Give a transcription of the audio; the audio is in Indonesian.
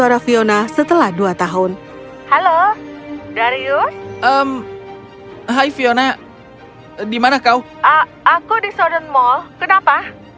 aku di southern mall kenapa